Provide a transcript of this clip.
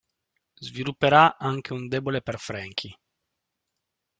Svilupperà anche un debole per Franky.